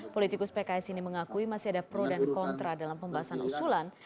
politikus pks ini mengakui masih ada pro dan kontra dalam pembahasan usulan